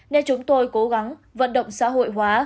nên chúng tôi cố gắng vận động xã hội hóa